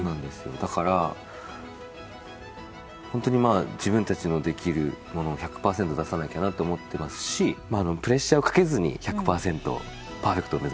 だからホントにまあ自分たちのできるものを１００パーセント出さなきゃなと思ってますしプレッシャーをかけずに１００パーセント。